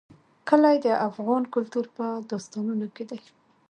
کلي د افغان کلتور په داستانونو کې دي.